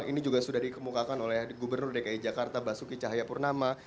ini juga sudah dikemukakan oleh gubernur dki jakarta basuki cahayapurnama